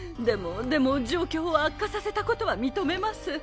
でもでも状況を悪化させたことは認めます。